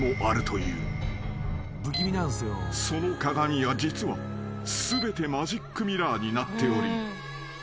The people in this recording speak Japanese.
［その鏡は実は全てマジックミラーになっており］